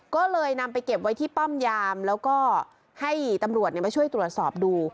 ก็เลยนำไปเก็บไว้ที่ป้อมยามแล้วก็ให้ตำรวจมาช่วยตรวจสอบดู